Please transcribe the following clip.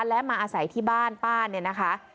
และมาอาศัยที่บ้านป้าเนี่ยนะคะ